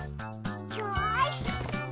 よし！